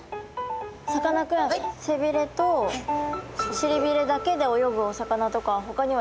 さかなクン背びれとしりびれだけで泳ぐお魚とかはほかにはいるんですか？